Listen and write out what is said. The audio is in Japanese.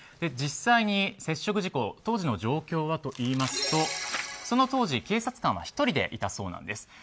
実際に、接触事故当時の状況はといいますとその当時、警察官は１人でいたそうなんです。